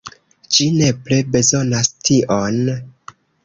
Ĝi nepre bezonas tion.